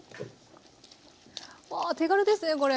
わあ手軽ですねこれ。